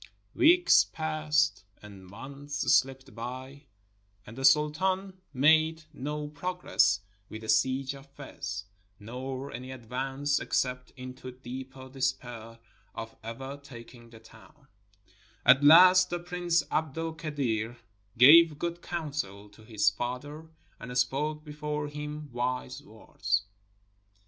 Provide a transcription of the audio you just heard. Weeks passed and months shpped by, and the Sultan 312 TRADITIONS OF THE SHEIKHS OF MOROCCO made no progress with the siege of Fez, nor any advance except into deeper despair of ever taking the town. At last the Prince Abd el Kadir gave good counsel to his father and spoke before him wise words.